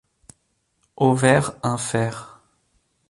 Ovaire infère.